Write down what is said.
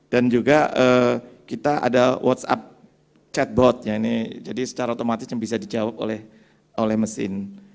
dan juga kita ada whatsapp chatbotnya ini jadi secara otomatis bisa dijawab oleh mesin